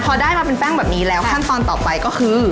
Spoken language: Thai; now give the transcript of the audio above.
พอได้มาเป็นแป้งแบบนี้แล้วขั้นตอนต่อไปก็คือ